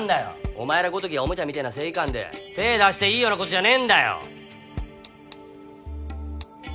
お前らごときがおもちゃみてぇな正義感で手出していいようなことじゃねぇんだよ。